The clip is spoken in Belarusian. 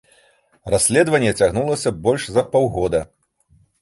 Расследаванне цягнулася больш за паўгода.